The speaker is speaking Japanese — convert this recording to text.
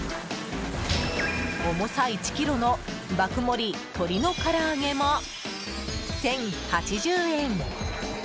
重さ１ｋｇの爆盛鶏の唐揚げも１０８０円。